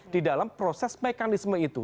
di dalam proses mekanisme itu